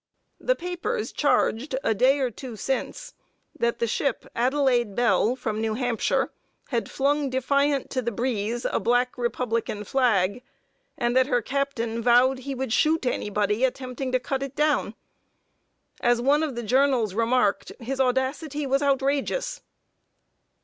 The papers charged, a day or two since, that the ship Adelaide Bell, from New Hampshire, had flung defiant to the breeze a Black Republican flag, and that her captain vowed he would shoot anybody attempting to cut it down. As one of the journals remarked, "his audacity was outrageous."